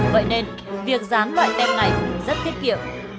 vậy nên việc dán loài tem này rất tiết kiệm